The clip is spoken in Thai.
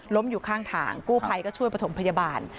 อยู่ข้างทางกู้ภัยก็ช่วยประถมพยาบาล